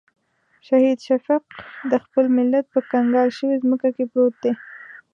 شهید شفیق د خپل ملت په کنګال شوې ځمکه کې پروت دی.